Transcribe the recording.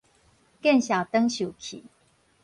見笑轉受氣